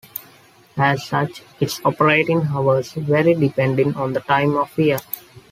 As such, its operating hours vary depending on the time of year.